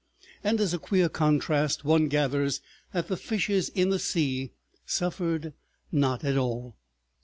And as a queer contrast one gathers that the fishes in the sea suffered not at all.